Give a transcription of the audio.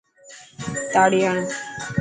تاڙي هڻ.